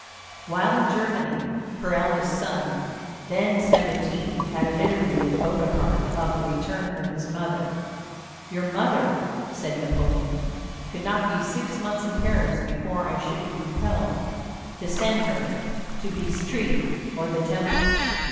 '" While in Germany, her eldest son, then seventeen, had an interview with Bonaparte about the return of his mother. "Your mother," said Napoleon, "could not be six months in Paris before I should be compelled to send her to Bicêtre or the Temple.